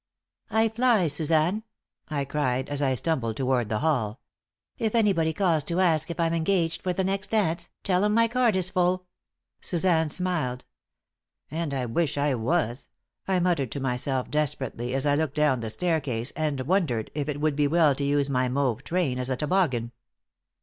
"I fly, Suzanne!" I cried, as I stumbled toward the hall. "If anybody calls to ask if I'm engaged for the next dance, tell 'em my card is full." Suzanne smiled. "And I wish I was!" I muttered to myself, desperately, as I looked down the staircase and wondered if it would be well to use my mauve train as a toboggan.